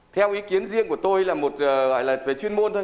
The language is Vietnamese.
theo ý kiến riêng của tôi là một gọi là về chuyên môn thôi